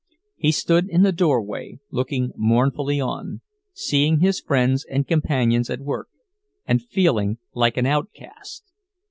He stood in the doorway, looking mournfully on, seeing his friends and companions at work, and feeling like an outcast.